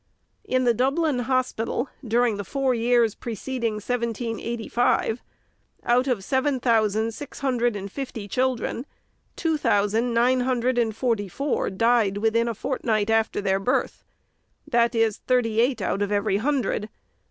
In the Dublin Hospital, during the four years preceding 1785, out of seven thousand six hundred and fifty children, two thousand nine hundred and forty four died within a fortnight after their birth ; that is, thirty eight out of every hundred.